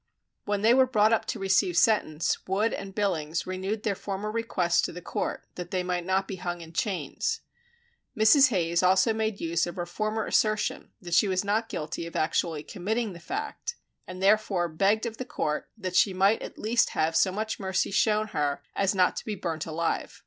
When they were brought up to receive sentence, Wood and Billings renewed their former requests to the Court, that they might not be hung in chains. Mrs. Hayes also made use of her former assertion, that she was not guilty of actually committing the fact, and therefore begged of the Court that she might at least have so much mercy shown her as not to be burnt alive.